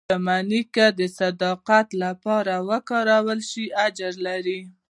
• شتمني که د صدقې لپاره وکارول شي، اجر لري.